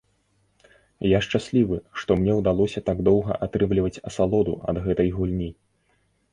Я шчаслівы, што мне ўдалося так доўга атрымліваць асалоду ад гэтай гульні!